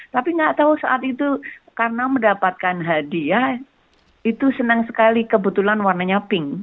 tapi nggak tahu saat itu karena mendapatkan hadiah itu senang sekali kebetulan warnanya pink